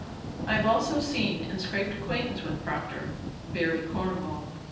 ] "I have also seen and scraped acquaintance with Procter Barry Cornwall.